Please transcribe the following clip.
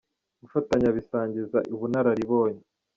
Gufatanya bisangiza ubunararibonye